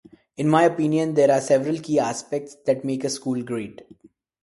In my opinion, there are several key aspects that make a school great.